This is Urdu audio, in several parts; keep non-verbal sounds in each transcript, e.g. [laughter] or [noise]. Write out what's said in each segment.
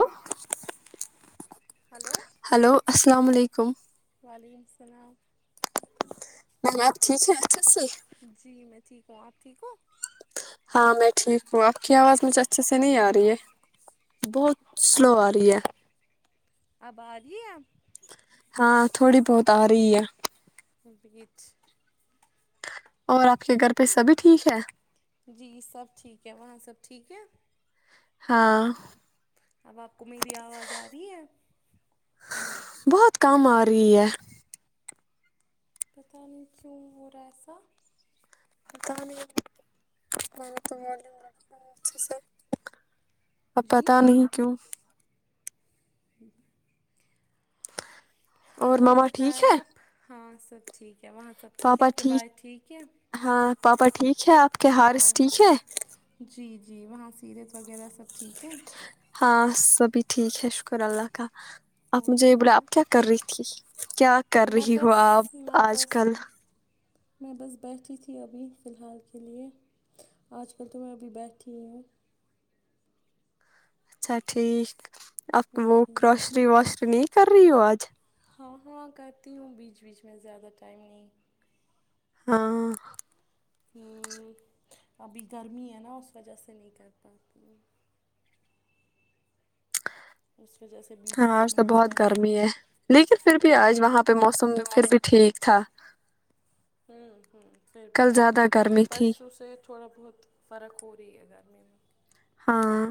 ہ ہلو ہلو السلام علیکم وعلیکم السلام آپ ٹھیک ہے اچھا سے جی میں ٹھیک ہوں آپ ٹھیک ہو ہاں میں ٹھیک ہوں آپ کی آواز مجھے اچھے سے نہیں آ رہی ہے بہت سلو اب آ رہی ہے اب آ رہیے ہاں تھوڑی بہت آ رہی ہے بیچ اور آپ کے گھر پہ سبھی ٹھیک ہے جی سب ٹھیک ہے وہاں سب ٹھیک ہے ہاں اب آپ کو میری آواز آ رہی ہے بہت کم آ رہی ہے پتہ نہیں کیوں ہورا سا [unintelligible] د نہیں م نے تومول لڑ کو اچھے سر اب جی پتا نہیں کیوں اور مما ٹھیک بتائیں ہے آپ ہاں سب ٹھیک ہے وہاں سب ٹھیک ہے آپ کے بائے ٹھیک ہے ہاں پاپا ٹھیک ہے آپ کے ہارث ہاں ٹھیک ہے جی جی وہاں سیرت وغیرہ سب ٹھیک ہے ہاں سبھی ٹھیک ہے شکر اللہ کا آپ اور مجھے یہ بولا سناؤ آپ کیا کر رہی تھی کیا کر میں رہی ہو بس آپ میں آج بس کل میں بس بیٹھی تھی ابھی فی الحال کے لیے آج کل تو میں ابھی بیٹھی ہوں اچھا ٹھیک آپ وہ جی کراشری واشری نہیں کر رہی ہو آج ہاں ہاں کرتی ہوں بیچ بیچ میں زیادہ ٹائم نہیں ہاں ہوں ابھی گرمی ہے نا اس وجہ سے نہیں کر پاتی اس پہ جیسے ہاں آج تو بہت گرمی ہے لیکن پھر بھی آج وہاں پہ موسم پھر بھی ٹھیک تھا ہوں ہوں پھر بھی کل زیادہ آج گرمی تھی پرسوں سے تھوڑا بہت فرق ہو رہی ہے گرمی میں ہاں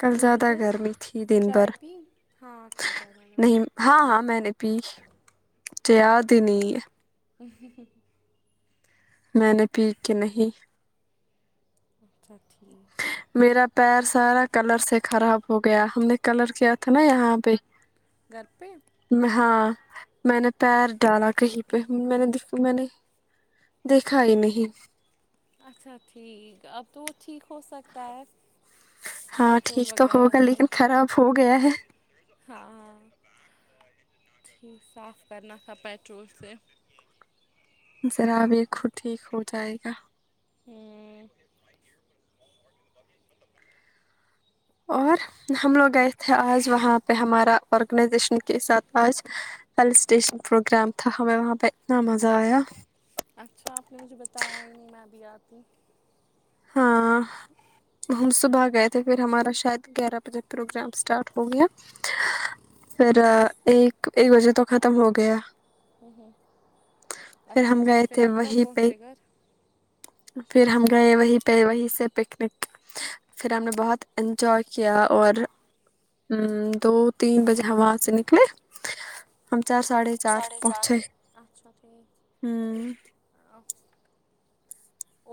کل اور زیادہ بتایا گرمی تھی دن بھر چائے پی ہاں کل زیادہ گرم نہیں ہاں ہاں میں نے پی چے یاد ہی نہیں ہے ہوں ہں ہں میں نے پی کے نہیں اچھا ٹھیک میرا پیر سارا کلر سے خراب ہو گیا ہم نے کلر کیا تھا نا یہاں پہ گھر پہ ہاں میں نے پیر ڈالا کہیں پہ میں نے دیکھا میں نے دیکھا ہی نہیں اچھا ٹھیک اب تو وہ ٹھیک ہو سکتا ہے ہاں پیٹرول ٹھیک تو وغیرہ ہوگا سے لیکن خراب ہو گیا ہے ہاں ٹھیک صاف کرنا تھا پیٹرول سے ذرا بھی خود ٹھیک ہو جائے گا ہوں اور ہم لوگ گئے تھے آج وہاں پہ ہمارا آرگنائزیشن کے ساتھ آج پلس اسٹیشن پروگرام تھا ہمیں وہاں پہ اتنا مزہ آیا اچھا آپ نے مجھے بتایا ہی نہیں میں بھی آتی ہاں ہم صبح گئے تھے پھر ہمارا شاید گیارہ بجے پروگرام اسٹارٹ ہو گیا پھر ایک ایک بجے تو ختم ہو گیا ہوں ہوں پھر اچھا ہم گئے ٹھیک پھر تھے آپ کب وہیں پہ پہنچے گھر پھر ہم گئے وہیں پہ وہیں سے پکنک پھر ہم نے بہت انجوائے کیا اور ہوں دو تین بجے ہم وہاں سے نکلے ہم چار ساڑھے چار ساڑھے سات پہنچے اچھا ٹھیک ہوں اب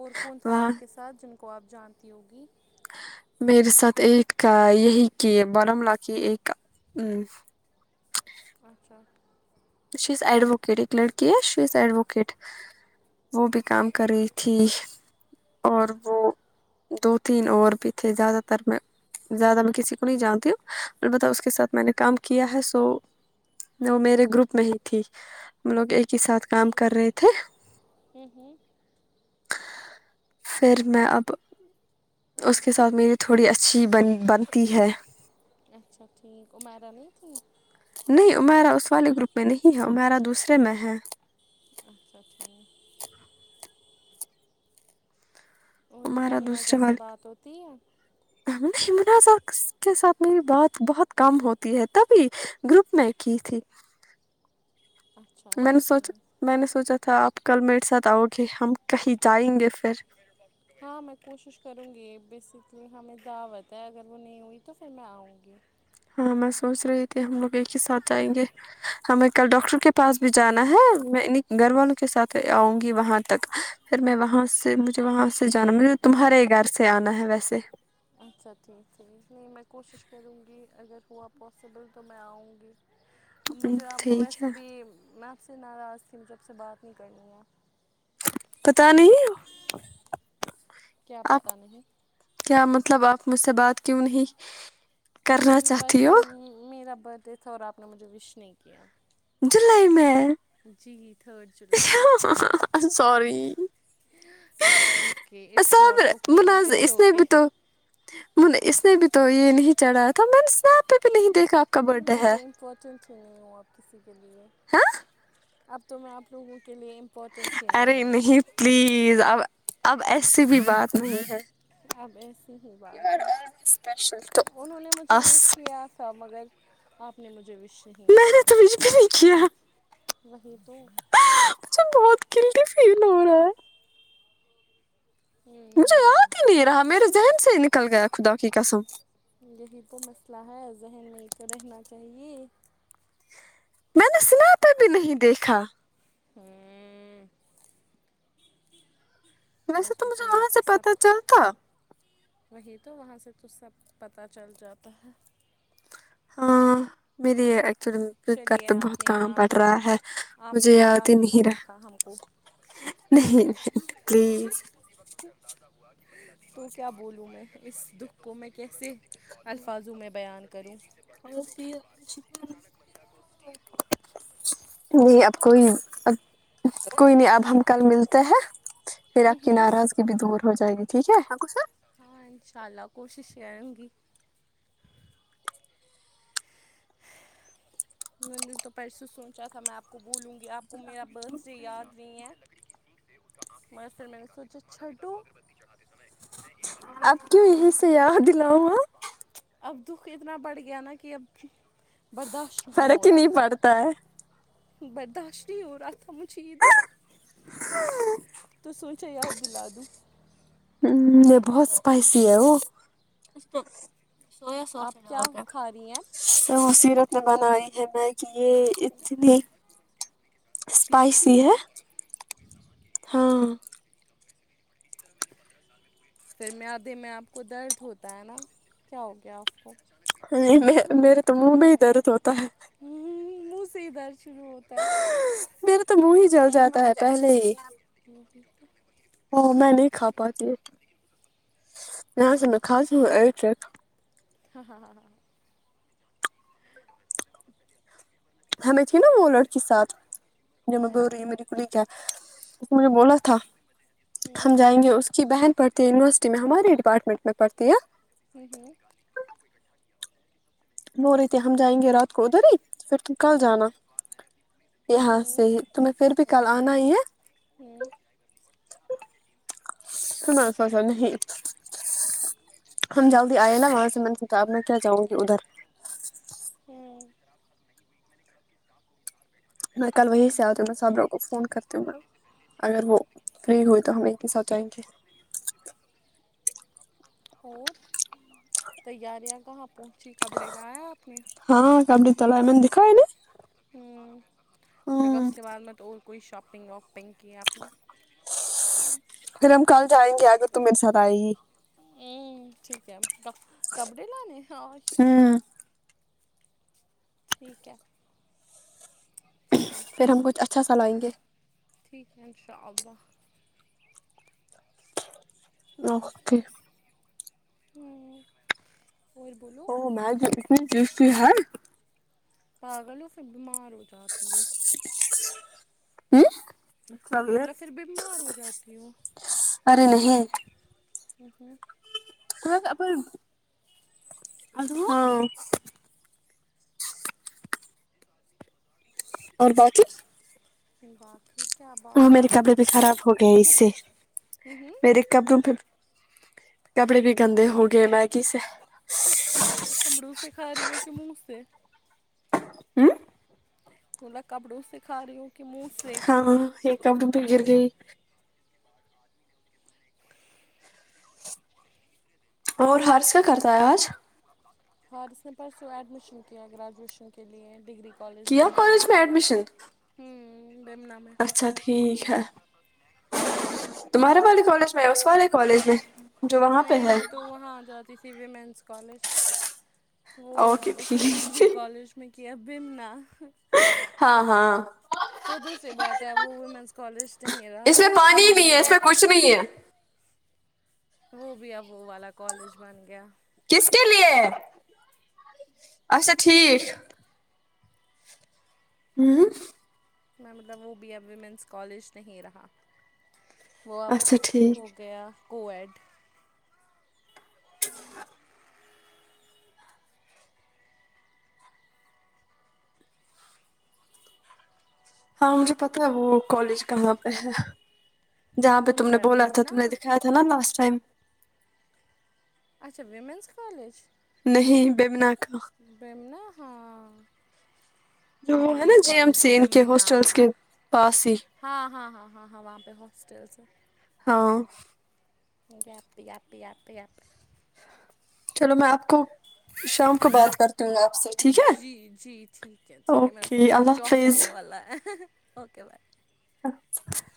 اور کون تھا وہاں آپ کے ساتھ جن کو آپ جانتی ہوگی میرے ساتھ ایک یہی کہ بارملہ کی ایک ہوں اچھا شس اڈوکیٹ ایک لڑکی ہے شس اڈوکیٹ وہ بھی کام کر رہی تھی اور اچھا وہ دو تین اور بھی تھے زیادہ تر میں زیادہ میں کسی کو نہیں جانتی ہوں البتہ اس کے ساتھ میں نے کام کیا ہے سو وہ میرے گروپ میں ہی تھی ہم لوگ ایک ہی ساتھ کام کر رہے تھے ہوں ہوں پھر میں اب اس کے ساتھ میری تھوڑی اچھی بن۔ بنتی ہے اچھا ٹھیک عمیرہ نہیں تھی نہیں عمیرا اس والے گروپ میں نہیں ہے عمیرا دوسرے میں ہے اچھا ٹھیک اور بتا ہمارا منازہ سے بات ہوتی ہے منازہ کے ساتھ میری بات بہت کم ہوتی ہے تبھی گروپ میں کی تھی اچھا میں نے اچھا سوچ ٹھیک میں نے سوچا تھا آپ کل میرے ساتھ آؤ گی ہم کہیں جائیں گے پھر ہاں میں کوشش کروں گی بیسکلی ہمیں دعوت ہے اگر وہ نہیں ہوئی تو پھر میں آؤں گی ہاں میں سوچ رہی تھی ہم لوگ ایک ہی ساتھ جائیں گے ہمیں کل ڈاکٹر کے پاس بھی جانا ہے میں انہیں گھر والوں کے ساتھ آؤں گی وہاں تک پھر میں اچھا وہاں اچھا سے مجھے وہاں سے جانا مجھے تمہارے ہی گھر سے آنا ہے ویسے اچھا ٹھیک ٹھیک نہیں میں کوشش کروں گی اگر ہوا پوسیبل تو میں آؤں گی اب مجھے آپ کو ٹھیک ویسے ہے بھی میں آپ سے ناراض تھی مجھے آپ سے بات نہیں کرنی ہے پتہ نہیں کیا آپ پتہ نہیں کیا مطلب آپ مجھ سے بات کیوں نہیں کرنا کیونکہ چاہتی ہو پرسوں میرا برتڈے تھا اور آپ نے مجھے ویش نہیں کیا جلائی میں جی تھرڈ جولائی ہ sorry it's okay it's not Sabir okay but Manazir it's اس نے اوکے بھی تو اس نے بھی تو یہ نہیں چڑھایا تھا من سنپ پے ہوں میں تو امپورٹنٹ ہی نہیں ہوں اپ کسی کے لیے ہاں اب تو میں آپ لوگوں کے لیے امپورٹنٹ ہی ارے ہوں نہیں پلیز اب اب ایسی بھی بات نہیں ہے اب ایسی ہی یو بات آر ہے آلویز اسپیشل ٹو انہوں نے مجھے اس ویش کیا تھا مگر آپ نے مجھے وش نہیں میں کیا نے تو کچھ بھی نہیں کیا وہی تو مجھے بہت گلٹی فیل ہو رہا ہے مجھے یاد ہی نہیں رہا میرے ذہن سے نکل گیا خدا کی قسم یہی تو مسئلہ ہے ذہن میں ہی تو رہنا چاہیے میں نےاسانپ پہ بھی نہیں دیکھا ہوں ویسے آج تو مجھے وہاں سنیپ سے پہ پتہ سب چلتا وہی تو وہاں سے تو سب پتہ چل جاتا ہے ہاں میری ایکچولی گھر چلیے پہ بہت آپ نے کام پڑ آپ نے رہا ہے آپ مجھے نے یاد ہی نہیں رہا رکھا ہم کو نہیں پلیز تو کیا بولوں میں اس دکھ کو میں کیسے الفاظوں میں بیان کروں اور پھر [unintelligible] نا تو نہیں اب کوئی نہیں اب کوئی نہیں اب ہم کل ملتے ہیں پھر آپ کی ناراضگی بھی دور ہو جائے گی ٹھیک ہے اب غصہ ہاں انشاء اللہ کوشش کروں گی میں نے تو پرسوں سوچا تھا میں آپ کو بولوں گی آپ کو میرا برتڈے یاد نہیں ہے ویسے میں نے سوچا چھاٹو میں ایک اگربتی اب کو کیوں تین یہیں ٹکڑوں سے میں توڑ یاد دیتا دلاؤں تاکہ باقی اب دکھ اتنا بڑھ گیا نا کہ اب برداشت نہیں ہو فرق ہی رہا تھا پڑتا ہے برداشت نہیں ہو رہا تھا مجھے یہ دکھ تو سوچا یاد دلا دوں ہمم یہ بہت اسپائسی ہے وہ آپ کیا کھا رہی ہیں س سیرت نے بنائی ہے میگی یہ اتنی اسپائسی ہے ہاں ایک طرف میں نے پندرہ سال میں پھر میادے میں آپ کو درد ہوتا ہے نا کیا ہو گیا آپ کو نہیں میں میرے تو منہ میں ہی درد ہوتا ہے ہممم منہ سے ھی درد شروع ہوتا ہے میرا تو منہ ہی جل جاتا ہے پہلے ہی [unintelligible] ہاں میں نہیں کھا پاتی ہے یہاں سے میں کھاتی ہوں ایک ایک ہاں ہاں ہاں ہاں ہاں ہمیں تھی نا وہ لڑکی ساتھ جمع بور کھلی کیا اس نے بولا تھا ہم ہاں جائیں گے اس ج بہن پڑتی یونیورسٹی میں ہماری ڈپارٹمنٹ میں پڑھتی ہے ہوں ہوں مو رہے تھے ہم جائیں گے رات کو ادھر ہی پھر تم کل جانا یہاں ہاں سے ہی تمہیں پھر بھی کل آنا ہی ہے ہوں سناسوسا نہیں ہم جلدی آئے نا وہاں سے من ستا اب میں کیا چاہوں گی ادھر ہوں میں کل وہیں سے آتی ہوں میں صابرہ کو فون کرتی ہوں میں اگر وہ فری ہوئی تو ہم ایک ہی ساتھ جائیں گے اور تیاریاں کہا پو جی کپڑے لایا اپ نے ہاں کپڑے تولیے ہم نے دکھائے نا ہم لگہ ہوں اس کے بعد میں تو اور کوئی شاپنگ واپنگ کی آپ نے پھر ہم کل جائیں گے اگر تو میرے ساتھ آئ ہوں ٹھیک ہے کپڑے لانے ہاش ہوں ٹھیک ہے ٹھیک ہے پھر ہم کچھ اچھا سا لائیں گے ٹھیک ہے ان شاء اللہ اوکے ہمم اور بولو او میگی اتنی تھیکھی ہے پاگل ہو پھر بیمار ہو جاتی ہو ہوں میں بولا پھر بیمار ہو جاتی ہوں ارے نہیں ہاں [unintelligible] اور باقی باقی کیا وہ باقی میری تو کپڑے بھی بس خراب ہو گیا اس سے ہوں ہوں میرے کپڑوں پھر کپڑے بھی گندے ہو گئے میگی سے کپڑوں سے کھا رہی ہوں کے منہ سے ہوں تھوڑا کپڑوں سے کھا رہی ہوں ہاں یہ کپڑوں پے گر گئی اور ہارس کیا کرتا ہے آج ہارس نے پرسوں ایڈمیشن کیا گریجویشن کے لیے ڈگری کالج کیا بیمنا میں کالج ایڈمیشن ہوں بیمنا میں اچھا ٹھیک ہے ہوں تمہارے والے کالج میں اس والے کالج میں جو وہاں پہ نہیں ہے میں تو وہاں جاتی تھی ویمنس کالج وہ اوکے اس نے ڈگری ٹھیک کالج میں کیا بمنا ہاں ہاں وہ دوسری بات ہے اب وہ ویمنس کالج نہیں رہا وہ اب سمایا وہ بھی اب وہ والا کالج بن گیا کس کے لیے اچھا ٹھیک ہوں میں مطلب وہ بی اب ویمنس کالج نہیں رہا وہ اب اچھا ہو ٹھیک گیا کوایڈ ہاں مجھے پتا ہے وہ کالج کہاں پہ ہے جہاں پہ کون تم نے سا بولا تھا بیمنا تم نے دکھایا تھا نا لاسٹ ٹائم اچھا ویمینس کالج نہیں بیمنا کا بمنا ہاں جو وہ ہے ڈگری نا جی ایم کالج سی ان کے بیمنا ہاسٹلس کے پاس ہی ہاں ہاں ہاں ہاں ہاں وہاں پہ ہاسٹلس ہے ہاں آ پ آ پی آپی آپ چلو میں آپ کو شام کو بات کرتی ہوں آپ سے ٹھیک ہے جی جی ٹھیک ہے اوکے اللہ حافظ ہ ہ اوکے بائے [inaudible]